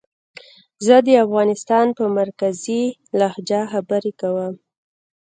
زه د افغانستان په مرکزي لهجه خبرې کووم